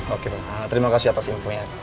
oke terima kasih atas infonya